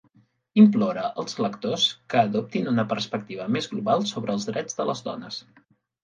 Implora als lectors que adoptin una perspectiva més global sobre els drets de les dones.